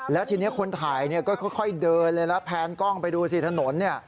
แล้วทีนี้คนถ่ายก็ค่อยเดินเลยแล้วแพนกล้องไปดูสิถนนเนี่ย